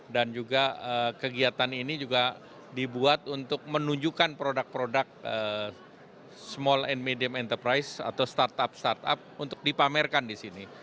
dan juga kegiatan ini juga dibuat untuk menunjukkan produk produk small and medium enterprise atau startup startup untuk dipamerkan di sini